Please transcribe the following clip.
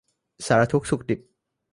สารทุกข์สุกดิบ